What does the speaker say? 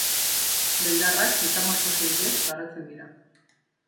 Beldarrak metamorfosi bidez garatzen dira.